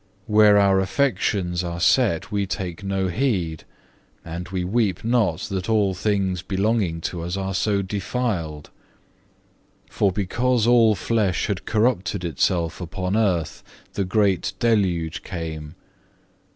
Where our affections are set we take no heed, and we weep not that all things belonging to us are so defiled. For because all flesh had corrupted itself upon the earth, the great deluge came.